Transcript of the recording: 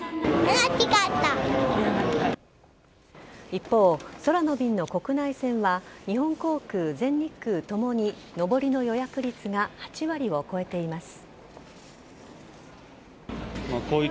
一方、空の便の国内線は日本航空、全日空ともに上りの予約率が８割を超えています。